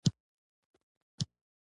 پنېر د انسان بدن ته وټامنونه رسوي.